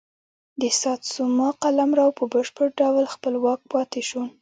د ساتسوما قلمرو په بشپړ ډول خپلواک پاتې شو.